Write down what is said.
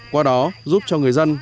qua đó giúp cho người dân